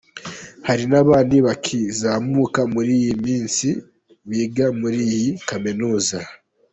Hari n'abandi bakizamuka muri iyi minsi biga muri iyi Kaminuza.